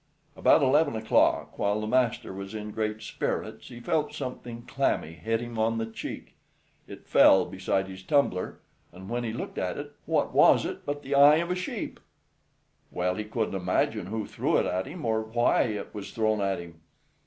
About eleven o'clock, while the master was in great spirits, he felt something clammy hit him on the cheek. It fell beside his tumbler, and when he looked at it, what was it but the eye of a sheep. Well, he couldn't imagine who threw it at him, or why it was thrown at him.